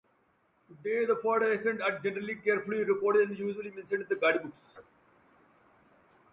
Today, first ascents are generally carefully recorded and usually mentioned in guidebooks.